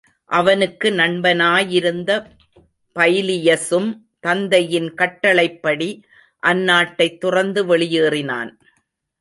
அவனுக்கு நண்பனாயிருந்த பைலியஸும் தந்தையின் கட்டளைப்படி அந்நாட்டைத் துறந்து வெளியேறினான்.